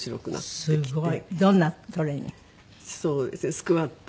スクワット。